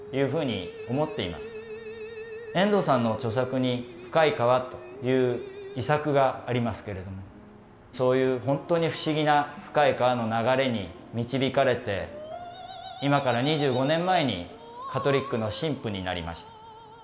遠藤さんの著作に「深い河」という遺作がありますけれどもそういうほんとに不思議な「深い河」の流れに導かれて今から２５年前にカトリックの神父になりました。